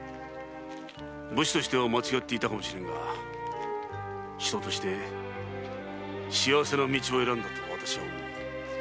武士としては間違っていたかもしれんが人として幸せな道を選んだと私は思っている。